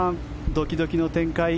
ドキドキの展開